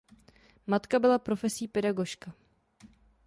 Matka byla profesí pedagožka.